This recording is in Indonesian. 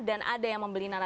dan ada yang membeli nalangnya